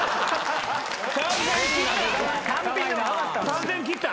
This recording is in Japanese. ・３，０００円切った。